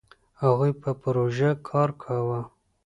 هغوی په پروژه کار کاوه.